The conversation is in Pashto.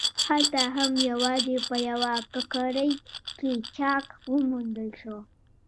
هلته هم یوازې په یوه ککرۍ کې چاک وموندل شو.